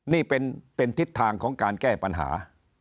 นี่เป็นทิศทางของการแก้ปัญหา